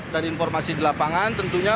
dari informasi di lapangan tentunya